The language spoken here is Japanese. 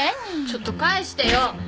ちょっと返してよ。